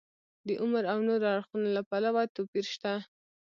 د عمر او نورو اړخونو له پلوه توپیر شته.